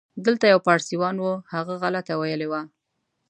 دلته یو پاړسیوان و، هغه غلطه ویلې وه.